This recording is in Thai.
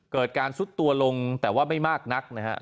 เกิดการซุดตัวลงแต่ว่าไม่มากนักนะฮะ